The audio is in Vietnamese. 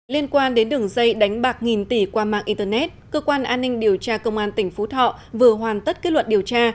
liên quan đến đường dây đánh bạc nghìn tỷ qua mạng internet cơ quan an ninh điều tra công an tỉnh phú thọ vừa hoàn tất kết luận điều tra